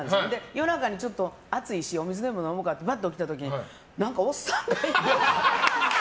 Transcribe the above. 夜中にちょっと暑いしお水でも飲もうかってバッと起きた時に何かおっさんが。